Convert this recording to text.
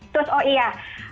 terus oh iya